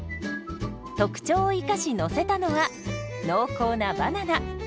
特徴を生かしのせたのは濃厚なバナナ。